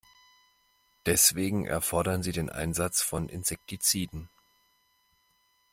Deswegen erfordern sie den Einsatz von Insektiziden.